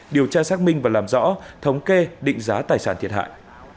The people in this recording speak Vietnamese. điều tra xác minh và làm rõ thống kê định giá tài sản thiệt hại